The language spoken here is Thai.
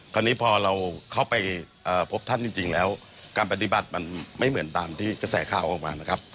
คราวนี้พอเราเข้าไปพบท่านจริงแล้วการปฏิบัติมันไม่เหมือนตามที่กระแสข่าวออกมานะครับ